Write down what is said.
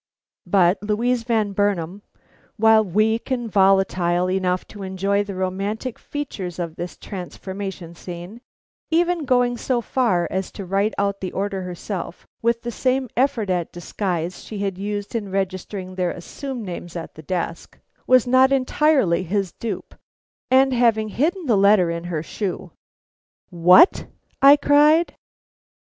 But Louise Van Burnam, while weak and volatile enough to enjoy the romantic features of this transformation scene, even going so far as to write out the order herself with the same effort at disguise she had used in registering their assumed names at the desk, was not entirely his dupe, and having hidden the letter in her shoe " "What!" I cried.